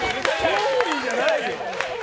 ソーリーじゃないよ！